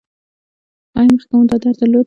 ایا مخکې مو دا درد درلود؟